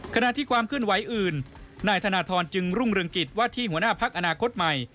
ขณะที่ความเคลื่อนไหวอื่นนายธนทรจึงรุ่งเรืองกิจว่าที่หัวหน้าพักอนาคตใหม่